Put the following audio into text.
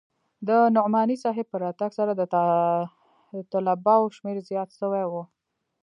د نعماني صاحب په راتگ سره د طلباوو شمېر زيات سوى و.